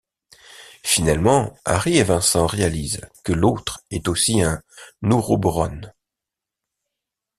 Finalement, Harry et Vincent réalisent que l’autre est aussi un Ouroboran.